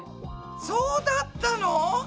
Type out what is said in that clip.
そうだったの！？